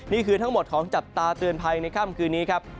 นี่คือทั้งหมดของจับตาเตือนภัยในค่ำคืนนี้ครับ